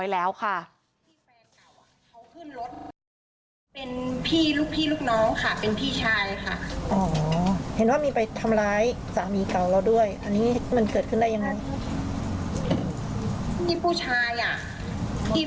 เห็นว่ามีไปทำร้ายสามีเก่าเราด้วยอันนี้มันเกิดขึ้นได้ยังไง